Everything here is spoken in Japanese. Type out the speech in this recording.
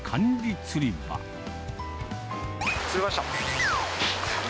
釣れました。